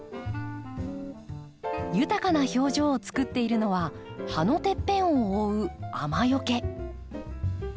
豊かな表情をつくっているのは葉のてっぺんを覆う雨よけ。